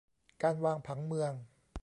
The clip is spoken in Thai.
การวางผังเมือง